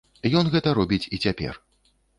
Ён гэта робіць і цяпер.